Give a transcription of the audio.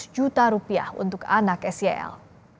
senilai dua ratus juta rupiah untuk anak sel